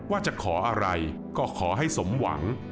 ว่าจะขออะไรก็ขอให้สมหวัง